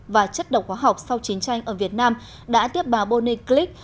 và chất độc hóa học sau chiến tranh ở việt nam đã tiếp bà bonnie glick